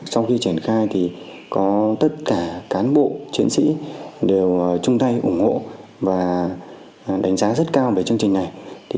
sau khi triển khai thì có tất cả cán bộ chiến sĩ đều chung tay ủng hộ và đánh giá rất cao về chương trình này